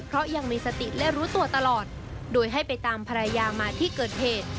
เพราะยังมีสติและรู้ตัวตลอดโดยให้ไปตามภรรยามาที่เกิดเหตุ